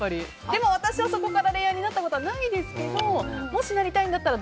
でも私はそこから恋愛になったことはないですけどもし、なりたいんだったら